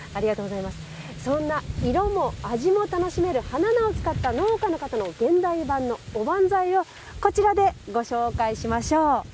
そんな色も味も楽しめる花菜を使った農家の方の現代版のおばんざいをこちらでご紹介しましょう。